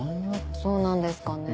そうなんですかね。